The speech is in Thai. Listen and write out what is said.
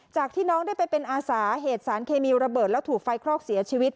จากที่น้องได้ไปเป็นอาสาเหตุสารเคมีระเบิดแล้วถูกไฟคลอกเสียชีวิต